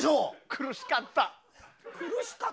苦しかった。